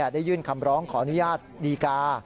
ได้ยื่นคำร้องขออนุญาตดีกา